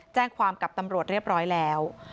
แจ้งความกับตำรวจเรียบร้อยแล้ว